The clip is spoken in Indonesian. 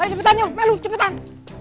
cepetan yuk malu cepetan